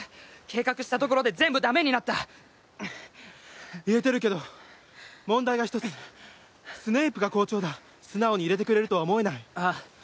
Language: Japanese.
計画したところで全部ダメになったいえてるけど問題が一つスネイプが校長だ素直に入れてくれるとは思えないああ